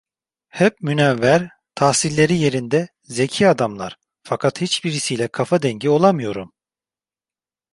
Hep münevver, tahsilleri yerinde, zeki adamlar; fakat hiçbirisi ile kafa dengi olamıyorum.